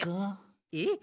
えっ？